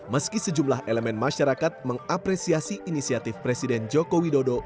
meski sejumlah elemen masyarakat mengapresiasi inisiatif presiden joko widodo